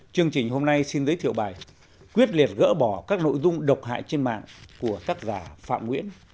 chương trình hôm nay xin giới thiệu bài quyết liệt gỡ bỏ các nội dung độc hại trên mạng của tác giả phạm nguyễn